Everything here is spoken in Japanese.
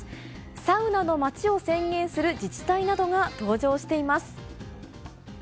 サウナのまちを宣言する自治体などが登場しています。